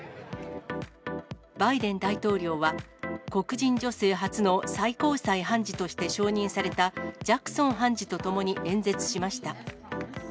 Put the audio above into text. バイデン大統領は、黒人女性初の最高裁判事として承認された、ジャクソン判事と共に演説しました。